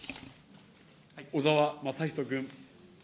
小沢雅仁君。